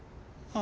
あ！